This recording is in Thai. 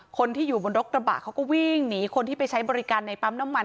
คนที่อยู่บนรถกระบะเขาก็วิ่งหนีคนที่ไปใช้บริการในปั๊มน้ำมัน